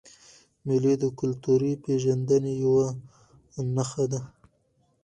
مېلې د کلتوري پیژندني یوه نخښه ده.